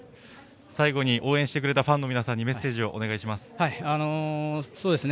最後に応援してくれたファンの皆さんにメッセージをお願いします。